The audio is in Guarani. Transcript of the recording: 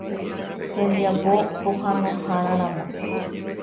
Hembiapo pohãnoháraramo.